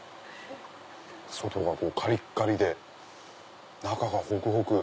外がカリカリで中がほくほく。